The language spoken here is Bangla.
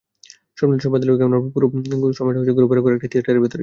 স্বপ্নদৃশ্য বাদ দিলে ক্যামেরা প্রায় পুরোটা সময় ঘোরাফেরা করে একটা থিয়েটারের ভেতরেই।